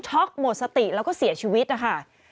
หมดสติแล้วก็เสียชีวิตนะคะ